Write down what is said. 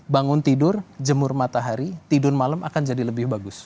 bangun tidur jemur matahari tidur malam akan jadi lebih bagus